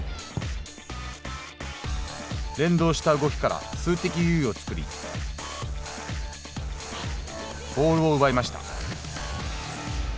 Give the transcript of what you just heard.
連動した動きから数的優位を作りボールを奪いました。